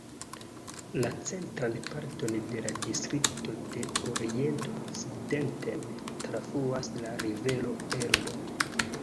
La centran parton de la distrikto de oriento okcidenten trafluas la rivero Elbo.